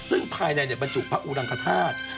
ซึ่งภายในบรรจุพระอุรังคธาตุ